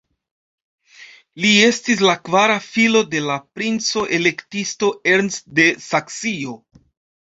Li estis la kvara filo de la princo-elektisto Ernst de Saksio.